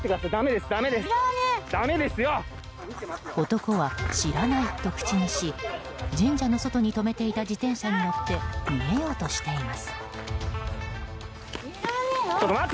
男は知らないと口にし神社の外に止めていた自転車に乗って逃げようとしています。